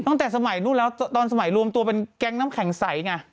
ตั้งแต่สมัยนู้นแล้วตอนสมัยรวมตัวเป็นแก๊งน้ำแข็งใสไง